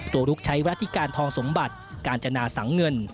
ลุกใช้รัฐธิการทองสมบัติกาญจนาสังเงิน